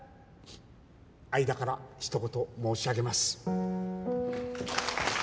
相田からひと言申し上げます。